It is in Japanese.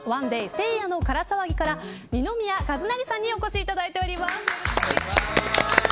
聖夜のから騒ぎから二宮和也さんにお越しいただいています。